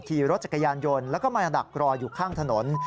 ขี่รถจักรยานยนต์แล้วก็มาดักรออยู่ข้างถนน